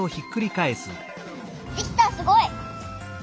できたすごい！